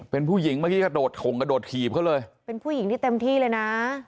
เป็นผู้หญิงเมื่อกี้กระโดดถงกระโดดถีบเขาเลยเป็นผู้หญิงที่เต็มที่เลยนะ